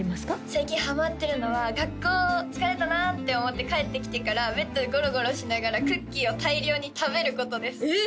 最近ハマってるのは学校疲れたなって思って帰ってきてからベッドでゴロゴロしながらクッキーを大量に食べることですええ！